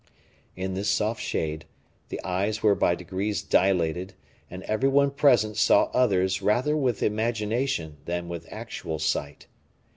In this soft shade, the eyes were by degrees dilated, and every one present saw others rather with imagination than with actual sight.